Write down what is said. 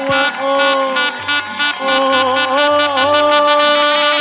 โอ้โอ้โอ้โอ